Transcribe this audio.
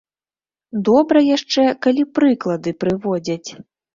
Добра яшчэ, калі прыклады прыводзяць.